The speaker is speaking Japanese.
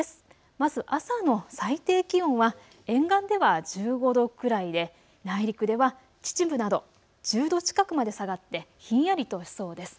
まず朝の最低気温は沿岸では１５度くらいで内陸では秩父など１０度近くまで下がってひんやりとしそうです。